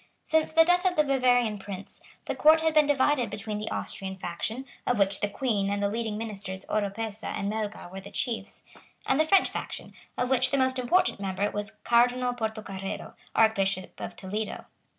Since the death of the Bavarian Prince, the Court had been divided between the Austrian faction, of which the Queen and the leading ministers Oropesa and Melgar were the chiefs, and the French faction, of which the most important member was Cardinal Portocarrero, Archbishop of Toledo.